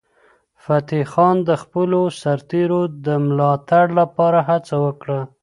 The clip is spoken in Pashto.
فتح خان د خپلو سرتیرو د ملاتړ لپاره هڅه وکړه.